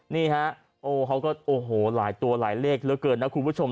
นี่ฮะโอ้โหเขาก็หลายตัวหลายเลขเยอะเกินนะครับคุณผู้ชม